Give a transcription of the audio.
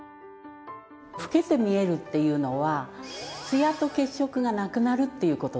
老けて見えるっていうのはツヤと血色がなくなるっていう事なんです。